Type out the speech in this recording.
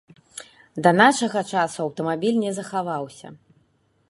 Да нашага часу аўтамабіль не захаваўся.